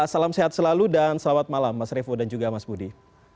salam sehat selalu dan selamat malam mas revo dan juga mas budi